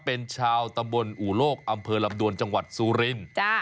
เป็นชาวตำบลอู่โลกอำเภอลำดวนจังหวัดซูรินทร์